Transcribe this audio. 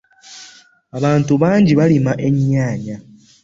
Abantu bangi balima ennyaanya.